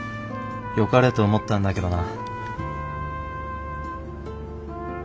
よかれと思ったんだけどな。